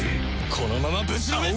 このままぶちのめす！